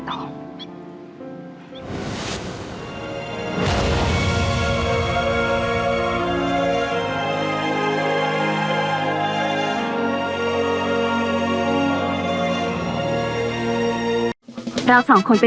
ประชาวนี้ว่านี้ทุกคนเอาเผื่อหว่าจะโดนเจอกัน